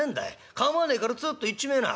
構わねえからつっと行っちめえな。